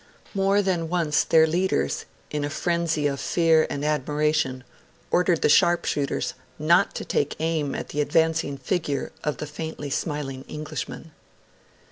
More than once their leaders, in a frenzy of fear and admiration, ordered the sharp shooters not to take aim at the advancing figure of the faintly smiling Englishman.